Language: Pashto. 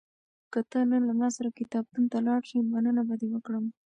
که ته نن له ما سره کتابتون ته لاړ شې، مننه به دې وکړم.